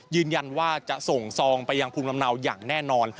ยืนยันว่าจะส่งซองไปยังภูมิลำเนาอย่างแน่นอน